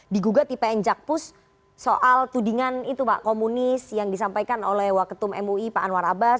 digugat di pn jakpus soal tudingan itu pak komunis yang disampaikan oleh waketum mui pak anwar abbas